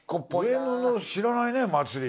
上野の知らないね祭り。